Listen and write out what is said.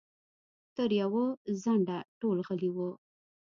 تر ډېره ځنډه ټول غلي وو.